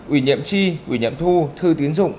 ủy nhiệm chi ủy nhiệm thu thư tiến dụng